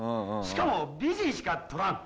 「しかも美人しか撮らん」